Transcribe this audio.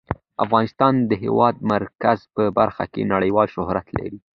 افغانستان د د هېواد مرکز په برخه کې نړیوال شهرت لري.